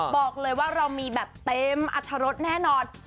บอกเลยว่าเรามีแบบเต็มอรรถรสแน่นอน